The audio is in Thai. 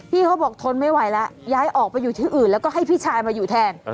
เขาบอกทนไม่ไหวแล้วย้ายออกไปอยู่ที่อื่นแล้วก็ให้พี่ชายมาอยู่แทน